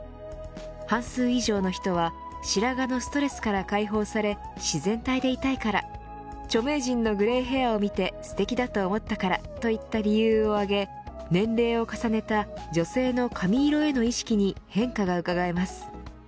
半数以上の人は白髪のストレスから解放され自然体でいたいから著名人のグレイヘアを見てすてきだと思ったからといった理由を挙げ年齢を重ねた女性の髪色への意識に変化がうかがえます。